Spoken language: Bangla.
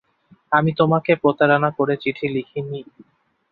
আমি তোমাকে প্রতারণা করে চিঠি লিখি নি।